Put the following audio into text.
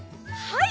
はい！